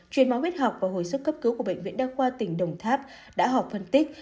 truyền máu huyết học và hồi sức cấp cứu của bệnh viện đa khoa tỉnh đồng tháp đã họp phân tích